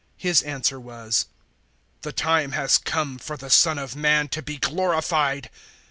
012:023 His answer was, "The time has come for the Son of Man to be glorified.